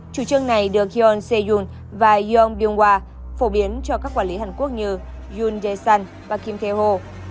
chủ trương này được hyun se yoon và yeon byung hwa phổ biến cho các quản lý hàn quốc như yoon jae sun và kim tae ho